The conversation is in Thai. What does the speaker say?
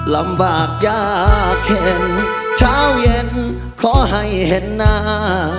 ลำบากยากเข็นเช้าเย็นขอให้เห็นหน้า